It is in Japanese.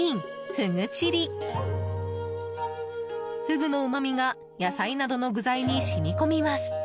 フグのうま味が野菜などの具材に染み込みます。